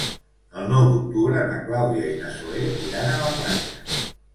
El nou d'octubre na Clàudia i na Zoè iran a la platja.